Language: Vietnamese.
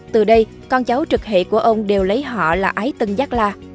từ đây con cháu trực hệ của ông đều lấy họ là ái tân giác la